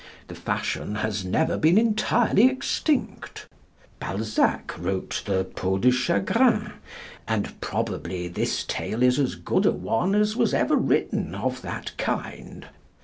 The fashion has never been entirely extinct. Balzac wrote the "Peau de Chagrin," and probably this tale is as good a one as was ever written of that kind.